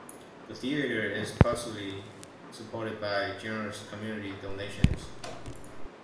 The theater is partially supported by generous community donations.